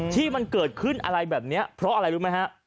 ที่มันเกิดขึ้นอะไรแบบนี้เพราะอะไรรู้ไหมฮะ